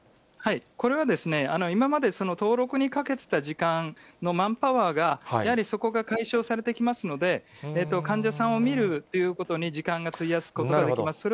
これは、今まで登録にかけてた時間のマンパワーが、やはりそこが解消されてきますので、患者さんを診るということに時間が費やすことができます。